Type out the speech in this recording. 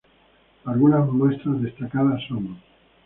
Algunas muestras destacadas sonː